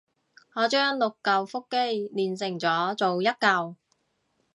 我將六舊腹肌鍊成咗做一舊